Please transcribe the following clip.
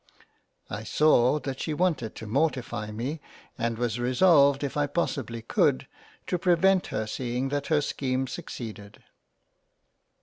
I saw that she wanted to mortify me, and was resolved if I possibly could to prevent her seeing that her scheme succeeded.